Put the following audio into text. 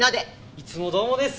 いつもどうもです！